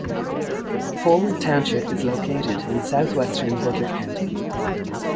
Forward Township is located in southwestern Butler County.